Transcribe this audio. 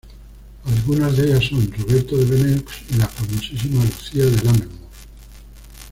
Algunas de ellas son Roberto Devereux, y la famosísima "Lucía de Lammermoor".